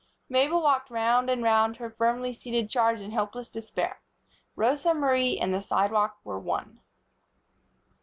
Mabel walked round and round her firmly seated charge in helpless despair. Rosa Marie and the sidewalk were one.